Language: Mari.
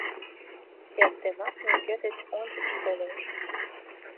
Эрденат нигӧ деч ончыч толеш.